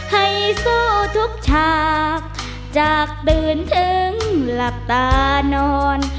ให้สู้ทุกฉากจากตื่นถึงหลับตานอน